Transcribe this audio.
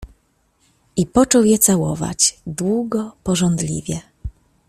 I począł je całować - długo pożądliwie